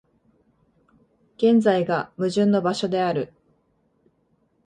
現在が矛盾の場所である。